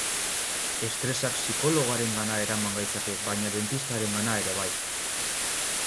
Estresak psikologoarengana eraman gaitzake, baina dentistarengana ere bai.